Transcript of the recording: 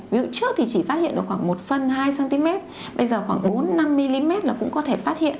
ví dụ trước thì chỉ phát hiện được khoảng một phân hai cm bây giờ khoảng bốn năm mm là cũng có thể phát hiện